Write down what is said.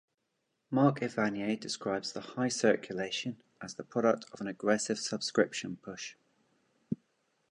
Mark Evanier describes the high circulation as the product of an aggressive subscription push.